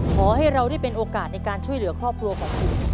ขอให้เราได้เป็นโอกาสในการช่วยเหลือครอบครัวของคุณ